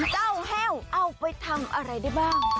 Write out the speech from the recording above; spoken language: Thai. แห้วเอาไปทำอะไรได้บ้าง